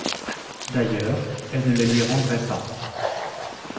D’ailleurs, elle ne les lui rendrait pas.